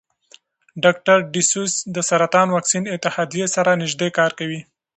ډاکټر ډسیس د سرطان واکسین اتحادیې سره نژدې کار کوي.